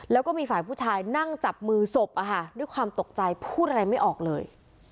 แล้วก็มีฝ่ายผู้ชายนั่งจับมือศพด้วยความตกใจพูดอะไรไม่ออกเลย